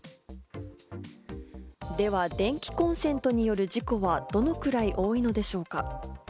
では、電気コンセントによる事故はどのくらい多いのでしょうか？